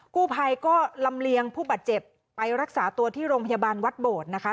กู้ภัยก็ลำเลียงผู้บาดเจ็บไปรักษาตัวที่โรงพยาบาลวัดโบดนะคะ